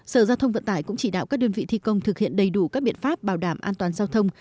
sở giao thông vận tải cũng chỉ đạo các đơn vị thi công thực hiện đầy đủ các biện pháp bảo đảm an toàn giao thông